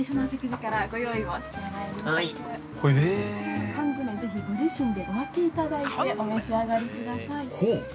◆こちら缶詰、ぜひご自身でお開けいただいて、お召し上がりください。